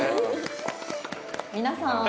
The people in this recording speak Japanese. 「皆さん！